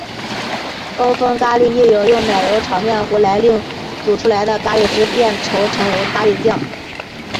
欧风咖哩亦有用奶油炒面糊来令煮出来的咖喱汁变稠成为咖喱酱。